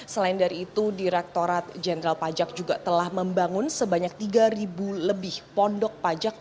selain dari itu direktorat jenderal pajak juga telah membangun sebanyak tiga lebih pondok pajak